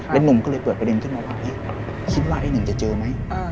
หนุ่มก็เลยเปิดประเด็นขึ้นมาว่าคิดว่าไอ้หนึ่งจะเจอไหม